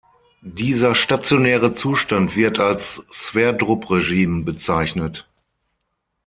Dieser stationäre Zustand wird als Sverdrup Regime bezeichnet.